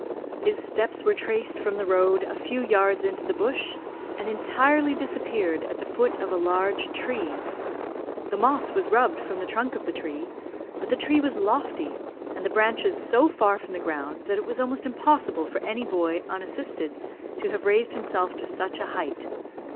His steps were traced from the road a few yards into the bush, and entirely disappeared at the foot of a large tree. The moss was rubbed from the trunk of the tree, but the tree was lofty, and the branches so far from the ground, that it was almost impossible for any boy, unassisted, to have raised himself to such a height.